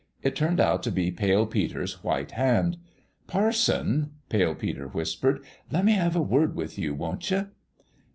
It turned out to be Pale Peter's white hand. "Parson," Pale Peter whispered, "let me have a word with you, won't you